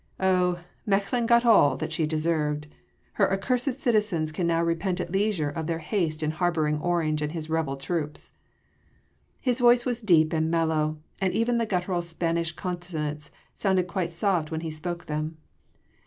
Oh! Mechlin got all that she deserved! Her accursed citizens can now repent at leisure of their haste in harbouring Orange and his rebel troops!" His voice was deep and mellow and even the guttural Spanish consonants sounded quite soft when he spoke them.